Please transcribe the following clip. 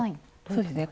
そうですね。